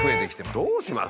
どうします？